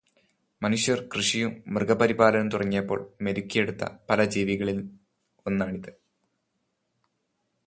മനുഷ്യർ കൃഷിയും, മൃഗപരിപാലനവും തുടങ്ങിയപ്പോൾ മെരുക്കിയെടുത്ത പല ജീവികളിൽ ഒന്നാണിത്.